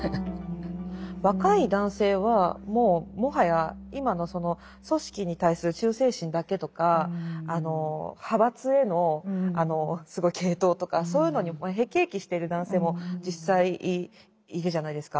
若い男性はもうもはや今のその組織に対する忠誠心だけとか派閥へのすごい傾倒とかそういうのに辟易してる男性も実際いるじゃないですか。